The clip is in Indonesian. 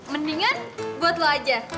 mendingan buat lo aja